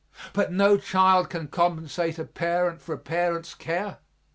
But no child can compensate a parent for a parent's care.